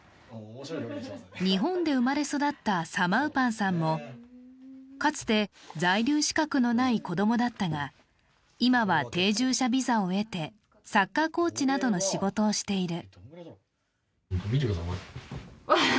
日本で生まれ育ったサマウパンさんも、かつて在留資格のない子供だったが、今は定住者ビザを得てサッカーコーチなどの仕事をしている。